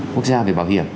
quốc gia về bảo hiểm